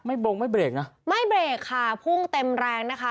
บงไม่เบรกนะไม่เบรกค่ะพุ่งเต็มแรงนะคะ